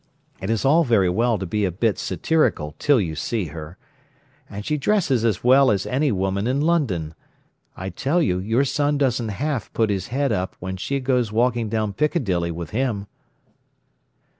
It is all very well to be a bit satirical till you see her. And she dresses as well as any woman in London. I tell you, your son doesn't half put his head up when she goes walking down Piccadilly with him."